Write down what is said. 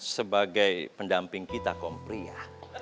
sebagai pendamping kita kompri ya